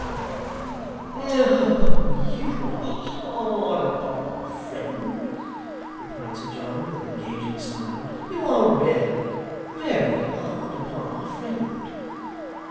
you are hard upon our friend,' replied Sir John, with an engaging smile. 'You are really very hard upon our friend!